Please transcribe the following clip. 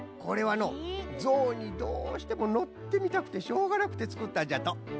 これはのうゾウにどうしても乗ってみたくてしょうがなくてつくったんじゃと！